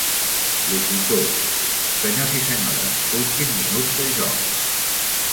Locutor: Senyors i senyores, últim minut de joc!